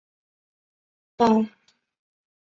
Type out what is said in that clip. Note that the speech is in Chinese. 大场真人是日本男性声优。